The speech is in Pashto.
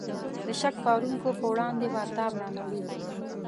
د شک پارونکو په وړاندې به تاب را نه وړي.